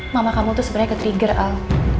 mama kamu tuh sebenernya ketrigger al